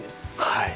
はい！